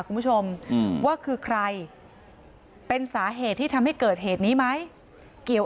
คุณผู้ชมว่าคือใครเป็นสาเหตุที่ทำให้เกิดเหตุนี้ไหมเกี่ยว